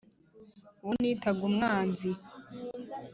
uwo nitaga umwanzi